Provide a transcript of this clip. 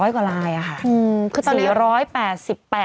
๒๐๐กว่าลายอ่ะค่ะ